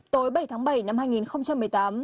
tối bảy tháng bảy năm hai nghìn một mươi tám